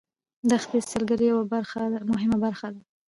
دښتې د سیلګرۍ یوه مهمه برخه ده.